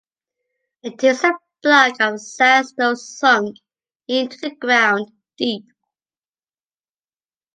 It is a block of sandstone sunk into the ground deep.